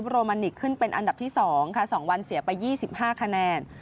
โรมันนิกขึ้นเป็นอันดับที่๒ค่ะ๒วันเสียไป๒๕คะแนน